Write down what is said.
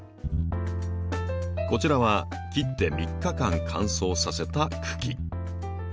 こちらは切って３日間乾燥させた茎。